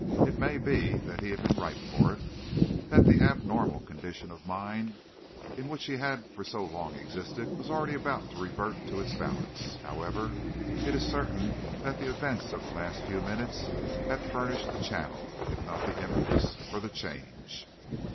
It may be that he had been ripe for it, that the abnormal condition of mind in which he had for so long existed was already about to revert to its balance; however, it is certain that the events of the last few minutes had furnished the channel, if not the impetus, for the change.